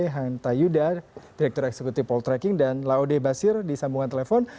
han tayuda direktur eksekutif poltreking dan laude basir disambungkan telepon